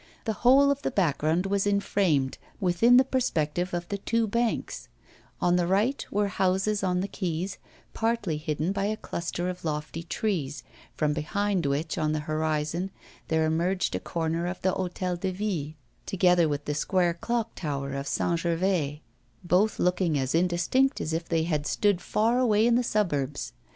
The whole of the background was inframed within the perspective of the two banks; on the right were houses on the quays, partly hidden by a cluster of lofty trees, from behind which on the horizon there emerged a corner of the Hôtel de Ville, together with the square clock tower of St. Gervais, both looking as indistinct as if they had stood far away in the suburbs.